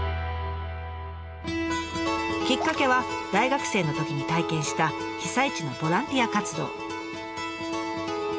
きっかけは大学生のときに体験した被災地のボランティア活動。